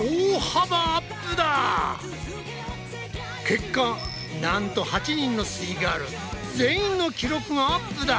結果なんと８人のすイガール全員の記録がアップだ！